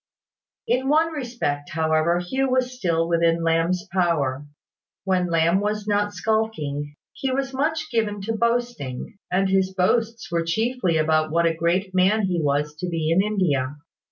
In one respect, however, Hugh was still within Lamb's power. When Lamb was not skulking, he was much given to boasting; and his boasts were chiefly about what a great man he was to be in India.